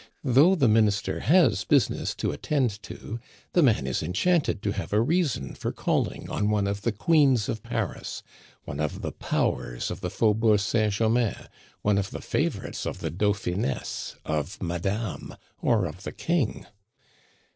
Though the Minister has business to attend to, the man is enchanted to have a reason for calling on one of the Queens of Paris, one of the Powers of the Faubourg Saint Germain, one of the favorites of the Dauphiness, of MADAME, or of the King.